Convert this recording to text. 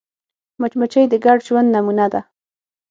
مچمچۍ د ګډ ژوند نمونه ده